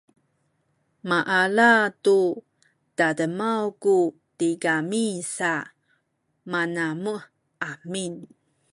maala nu tademaw ku tigami sa manamuh amin